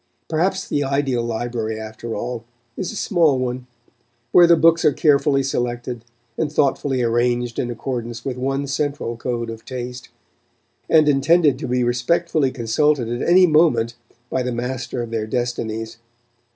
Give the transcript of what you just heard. Perhaps the ideal library, after all, is a small one, where the books are carefully selected and thoughtfully arranged in accordance with one central code of taste, and intended to be respectfully consulted at any moment by the master of their destinies.